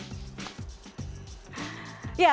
ya memang sbm ptn ini menceritakan tentang kegiatan